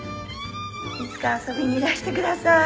いつか遊びにいらしてください」